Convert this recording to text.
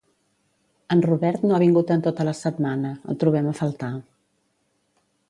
En Robert no ha vingut en tota la setmana, el trobem a faltar